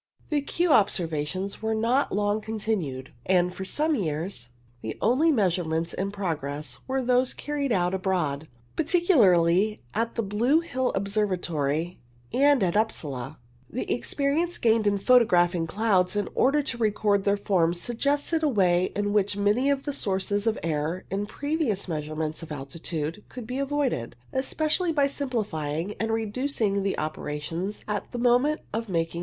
The Kew observations were not long continued, and for some years the only measurements in progress were those carried out abroad, particularly at the Blue Hill Observatory and at Upsala. The experience gained in photographing clouds in order to record their forms suggested a way in which many of the sources of error in previous measurements of altitude could be avoided, especi ally by simplifying and reducing the operations at the moment of making the observation.